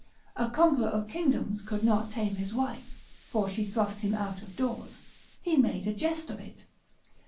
a conqueror of kingdoms could not tame his wife (for she thrust him out of doors), he made a jest of it.